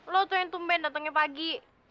lo tuh yang tumben datangnya pagi